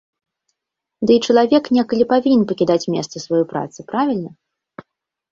Дый чалавек некалі павінен пакідаць месца сваёй працы, правільна?